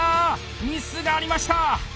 ミスがありました！